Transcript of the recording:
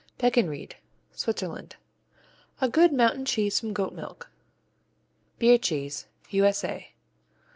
Beckenried Switzerland A good mountain cheese from goat milk. Beer cheese _U.S.A.